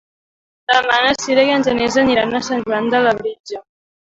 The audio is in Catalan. Demà na Sira i en Genís aniran a Sant Joan de Labritja.